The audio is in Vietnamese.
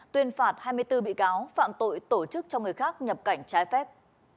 tuyên phạt hai mươi bốn bị cáo phạm tội tổ chức cho người khác nhập cảnh trái phép